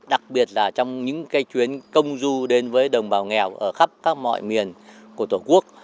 đặc biệt là trong những chuyến công du đến với đồng bào nghèo ở khắp các mọi miền của tổ quốc